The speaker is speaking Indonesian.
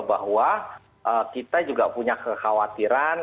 bahwa kita juga punya kekhawatiran